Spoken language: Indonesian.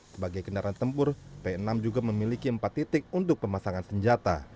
sebagai kendaraan tempur p enam juga memiliki empat titik untuk pemasangan senjata